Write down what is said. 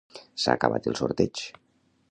S'ha acabat el sorteig.